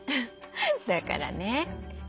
だからね。